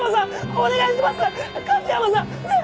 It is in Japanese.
お願いします！